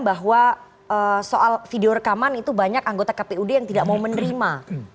bahwa soal video rekaman itu banyak anggota kpud yang tidak mau menerima